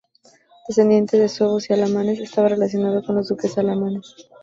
Descendiente de suevos y alamanes, estaba relacionado con los duques alamanes.